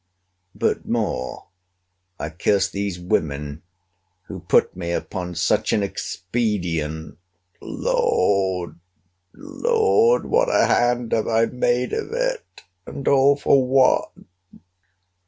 But more I curse these women, who put me upon such an expedient! Lord! Lord! what a hand have I made of it!—And all for what?